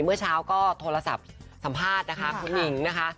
เมื่อเช้าก็โทรศัพท์สัมภาษณ์นะคะคุณหนิงนะคะ